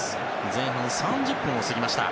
前半３０分を過ぎました。